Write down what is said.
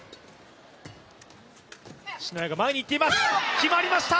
決まりました！